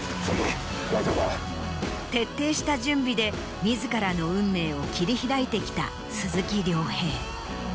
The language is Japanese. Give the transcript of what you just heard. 大丈夫か⁉徹底した準備で自らの運命を切り開いてきた鈴木亮平。